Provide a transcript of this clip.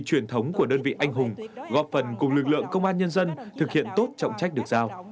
truyền thống của đơn vị anh hùng góp phần cùng lực lượng công an nhân dân thực hiện tốt trọng trách được giao